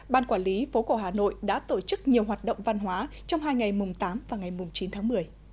ban quản lý phố cổ hà nội đã tổ chức nhiều hoạt động văn hóa trong hai ngày mùng tám và ngày mùng chín tháng một mươi